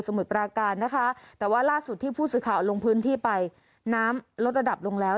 มุดปราการนะคะแต่ว่าล่าสุดที่ผู้สื่อข่าวลงพื้นที่ไปน้ำลดระดับลงแล้ว